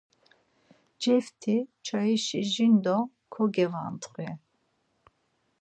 Ceft̆i çayişi jindo kocevantxi.